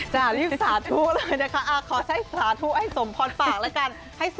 รีบสาธุเลยนะคะขอให้สาธุให้สมพรปากแล้วกัน